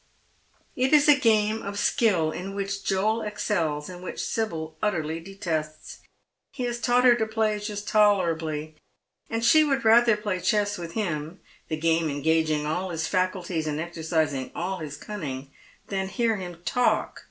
It is a game of skill in which Joel excels and which Sibyl utteriy detests. He has taught her to play just tolerably, and she would rather play chess with him — the game engaging all his faculties and exercising all his cunning— than hear him talk; 260 Dead Men's Shoes.